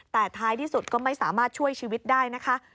แต่ท้ายที่สุดก็ไม่สามารถช่วยชีวิตได้นะคะ